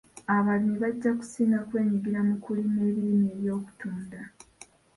Abalimi bajja kusinga kwenyigira mu kulima ebirime eby'okutunda.